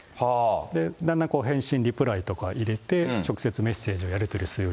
で、だんだん返信、リプライとか入れて、直接メッセージとかをやり取りする。